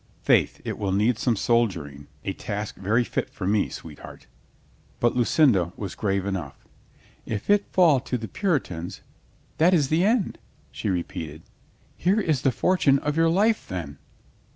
"Faith, it will need some soldier ing. A task very fit for me, sweetheart." But Lucinda was grave enough. "If it fall to the Puritans — that is the end," she repeated. "Here is the fortune of your life, then."